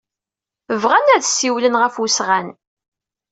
Bɣan ad ssiwlen ɣef wesɣan.